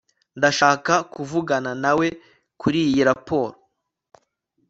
ndashaka kuvugana nawe kuriyi raporo